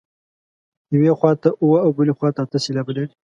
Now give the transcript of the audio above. یوې خوا ته اووه او بلې ته اته سېلابه لري.